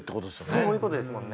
そういう事ですもんね。